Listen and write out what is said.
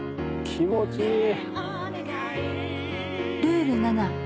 気持ちいい。